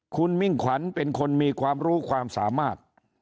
คุณมิ่งขวัญเป็นคนมีความรู้ความสามารถ